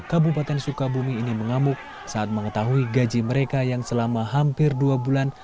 kabupaten sukabumi ini mengamuk saat mengetahui gaji mereka yang selama hampir dua bulan